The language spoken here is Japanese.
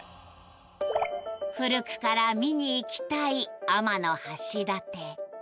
古くから見に行きたい天橋立。